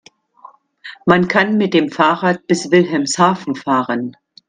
Man kann mit dem Fahrrad bis Wilhelmshaven fahren